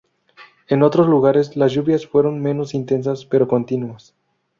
En otros lugares las lluvias fueron menos intensas pero continuas.